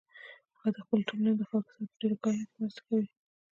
هغه د خپلې ټولنې د خلکو سره په ډیرو کارونو کې مرسته کوي